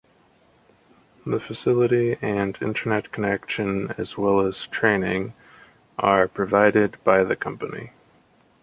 The facility and internet connection as well as training are provided by the company.